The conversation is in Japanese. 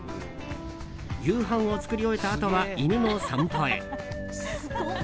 夕飯を作り終えたあとは犬の散歩へ。